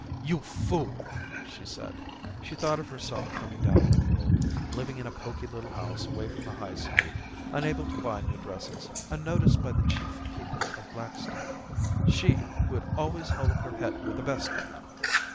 * You fool !* she said. She thought of herself coming down in the world, living in a pokey little house away from the High Street, unable to buy new 268 Orientations dresses, unnoticed by the chief people of Blackstable — she who had always held up her head with the best of them